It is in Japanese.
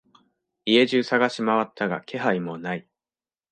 家中探しまわったが気配もない。